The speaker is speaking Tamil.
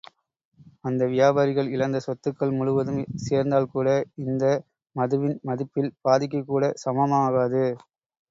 அந்த வியாபாரிகள் இழந்த சொத்துக்கள் முழுவதும் சேர்த்தால்கூட இந்த மதுவின் மதிப்பில் பாதிக்குக்கூடச் சமமாகாது.